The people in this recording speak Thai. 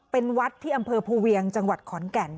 เป็นวัดที่อำเภอภูเวียงจังหวัดขอนแก่น